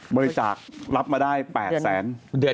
บริจาครับมาได้๘แสน